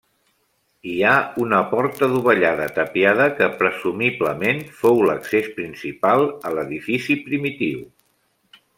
Hi ha una porta dovellada tapiada, que presumiblement fou l'accés principal a l'edifici primitiu.